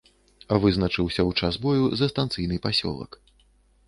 Вызначыўся ў час бою за станцыйны пасёлак.